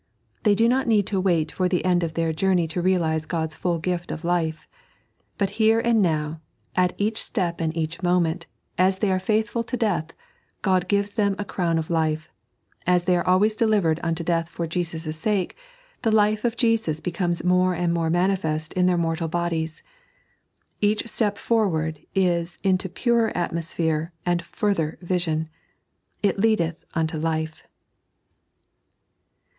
They do not need to wait for the end of their journey to realize Ood'a full gift of life ; but here and now, at each step and each moment, aa they are faithful to death, Qod gives them a crown of life ; as they are always delivered unto death for Jeeus' sake, the life of Jeeus becomes more and more manifest in their mortal bodies. Each step forward is into purer atmosphere and further vision. " It leadeth unto life."